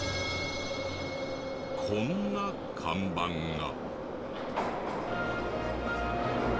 こんな看板が。